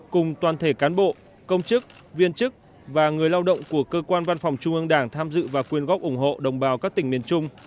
cùng toàn thể cán bộ công chức viên chức và người lao động của cơ quan văn phòng trung ương đảng tham dự và quyên góp ủng hộ đồng bào các tỉnh miền trung